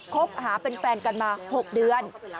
คบหาเป็นแฟนกันมา๖เดือน